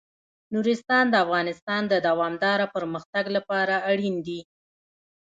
نورستان د افغانستان د دوامداره پرمختګ لپاره اړین دي.